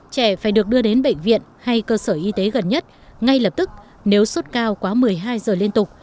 trẻ phải được đưa đến bệnh viện hay cơ sở y tế gần nhất ngay lập tức nếu sốt cao quá một mươi hai giờ liên tục